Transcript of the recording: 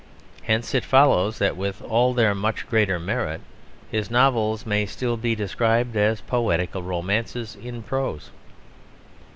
Hence it follows that, with all their much greater merit, his novels may still be described as poetical romances in prose.